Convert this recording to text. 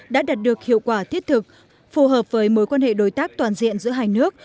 đã đạt được hiệu quả thiết thực phù hợp với mối quan hệ đối tác toàn diện giữa hai nước